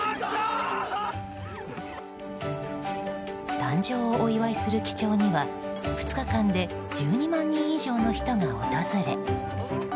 誕生をお祝いする記帳には２日間で１２万人以上の人が訪れ。